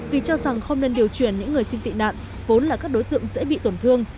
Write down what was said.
vì cho rằng không nên điều chuyển những người xin tị nạn vốn là các đối tượng dễ bị tổn thương